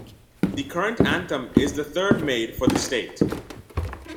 The current anthem is the third made for the state.